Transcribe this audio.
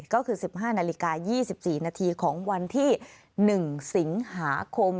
ก็คือ๑๕นาฬิกา๒๔นาทีของวันที่๑สิงหาคม